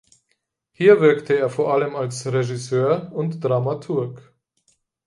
Hier wirkte er vor allem als Regisseur und Dramaturg.